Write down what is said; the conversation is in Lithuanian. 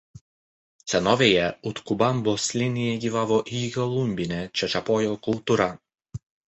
Senovėje Utkubambos slėnyje gyvavo ikikolumbinė Čačapojo kultūra.